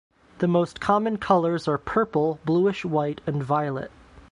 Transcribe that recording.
The most common colors are purple, blueish white and violet.